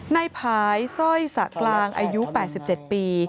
ในภายสร้อยสะกลางอายุ๘๗ปี